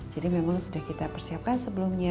jadi memang sudah kita persiapkan sebelumnya